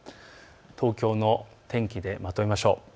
東京の天気でまとめましょう。